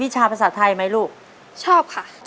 ชอบค่ะ